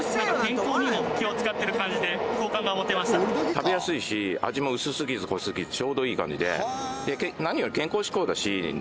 食べやすいし味も薄すぎず濃すぎずちょうどいい感じで何より。